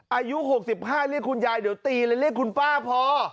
อายุ๖๕เรียกคุณยายเดี๋ยวตีเลยเรียกคุณป้าพอ